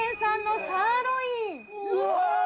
うわ！